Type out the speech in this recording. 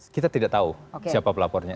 kita tidak tahu siapa pelapornya